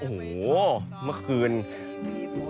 โอ้วววเมื่อกลิ้ง